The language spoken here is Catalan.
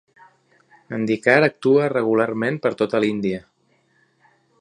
Nandikar actua regularment per tota l'Índia.